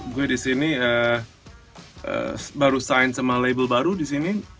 gue disini baru sign sama label baru di sini